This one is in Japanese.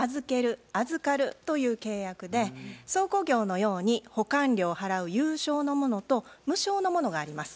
倉庫業のように保管料を払う有償のものと無償のものがあります。